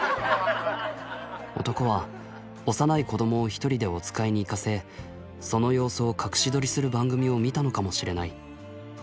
男は幼い子どもを一人でお使いに行かせその様子を隠し撮りする番組を見たのかもしれない。